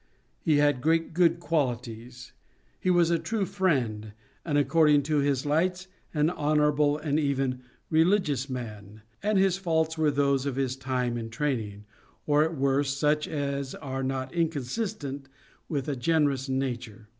He had great good qualities, he was a true friend, and according to his lights, an honorable and even a religious man, and his faults were those of his time and training, or at worst such as are not inconsistent with a generous nature.